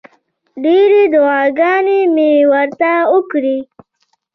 ډېرې دعاګانې مې ورته وکړې.